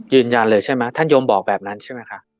ยืนยันเลยใช่มั้ยท่านยมบอกแบบนั้นใช่มั้ยค่ะ